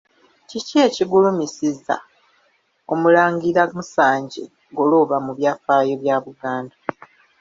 Kiki ekigulumizisa Omulangira Musanje Ggolooba mu byafaayo bya Buganda?